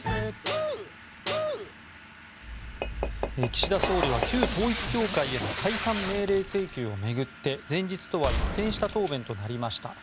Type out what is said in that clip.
岸田総理は旧統一教会への解散命令請求を巡って前日とは一転した答弁となりました。